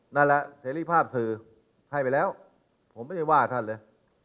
นั่นแหละเสรีภาพคือให้ไปแล้วผมไม่ได้ว่าท่านเลย